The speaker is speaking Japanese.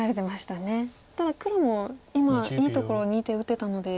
ただ黒も今いいところに２手打てたので。